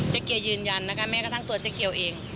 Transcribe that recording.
เกียวยืนยันนะคะแม้กระทั่งตัวเจ๊เกียวเอง